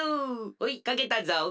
ほいかけたぞ。